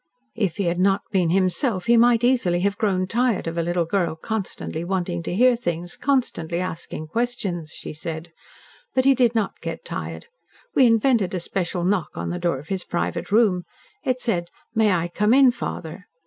"If he had not been HIMSELF he might easily have grown tired of a little girl constantly wanting to hear things constantly asking questions," she said. "But he did not get tired. We invented a special knock on the door of his private room. It said, 'May I come in, father?'